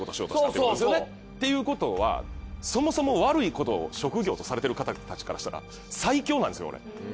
そうそう。ってことはそもそも悪いことを職業とされてる方たちからしたら最強なんですよこれ。